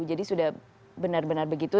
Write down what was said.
jadi sudah benar benar begitu